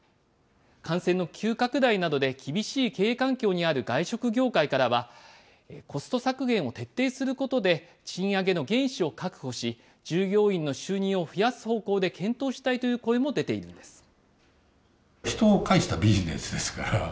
感染の急拡大などで厳しい経営環境にある外食業界からは、コスト削減を徹底することで賃上げの原資を確保し、従業員の収入を増やす方向で検討したいという声も出ているんです。